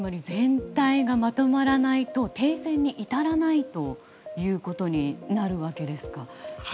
全体がまとまらないと停戦に至らないということになるわけですか。